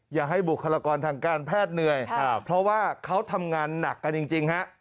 อย่าให้บุคลากรทางการแพทย์เหนื่อยเพราะว่าเขาทำงานหนักกันจริงฮะ